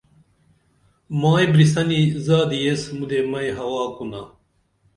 مائی برسنی زادی ایس مُدے مئی ہوا کُنا